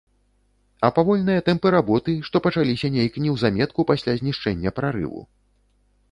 А павольныя тэмпы работы, што пачаліся нейк неўзаметку пасля знішчэння прарыву?